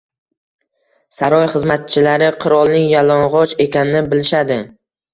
Saroy xizmatchilari qirolning yalong‘och ekanini bilishadi